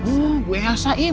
oh gue yasa ibu